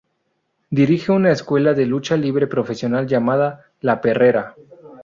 Dirige una escuela de lucha libre profesional llamada "La Perrera".